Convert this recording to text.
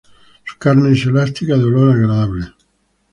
Su carne es elástica de olor agradable.